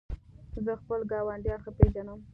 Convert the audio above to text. زه خپل ګاونډیان ښه پېژنم.